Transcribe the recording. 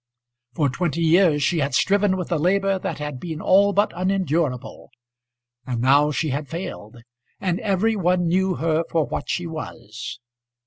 For twenty years she had striven with a labour that had been all but unendurable; and now she had failed, and every one knew her for what she was.